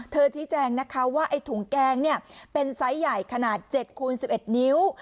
ชี้แจงนะคะว่าไอ้ถุงแกงเป็นไซส์ใหญ่ขนาด๗คูณ๑๑นิ้ว